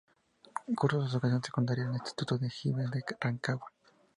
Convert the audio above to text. Cursó su educación secundaria en el Instituto O'Higgins de Rancagua.